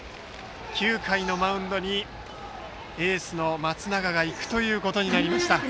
９回のマウンドにエースの松永が行くことになりました。